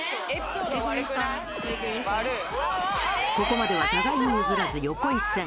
ここまでは互いに譲らず横一線。